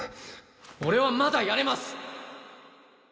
俺はまだやれます！